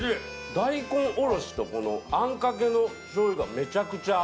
大根おろしとこのあんかけの醤油がめちゃくちゃ合う。